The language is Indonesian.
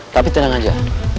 tapi tenang aja